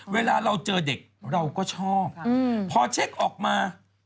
เวลาเราเจอเด็กเราก็ชอบพอเช็คออกมา